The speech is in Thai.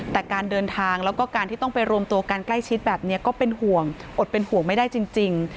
แต่การเดินทางแล้วก็การที่ต้องไปรวมตัวกันใกล้ชิดแบบนี้ก็เป็นห่วงอดเป็นห่วงไม่ได้จริง